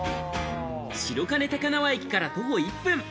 白金高輪駅から徒歩１分。